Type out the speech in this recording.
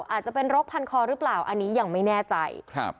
อาจจะเป็นรกพันคอหรือเปล่าอันนี้ยังไม่แน่ใจครับ